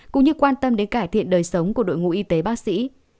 cũng như quan tâm đến cải thiện đời sống của đội ngũ y tế bác sĩ